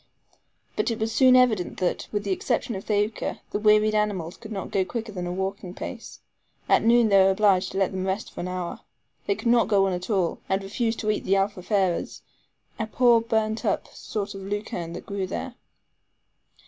But it was soon evident that, with the exception of Thaouka, the wearied animals could not go quicker than a walking pace. At noon they were obliged to let them rest for an hour. They could not go on at all, and refused to eat the ALFAFARES, a poor, burnt up sort of lucerne that grew there.